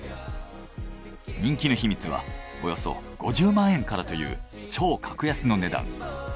人気の秘密はおよそ５０万円からという超格安の値段。